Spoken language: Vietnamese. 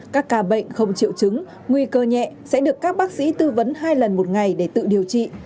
các ca bệnh không triệu chứng nguy cơ nhẹ sẽ được các bác sĩ tư vấn hai lần một ngày để tự điều trị